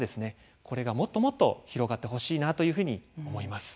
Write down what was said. これがもっともっと広がってほしいなというふうに思います。